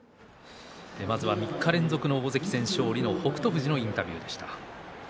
３日連続大関戦勝利の北勝富士のインタビューでした。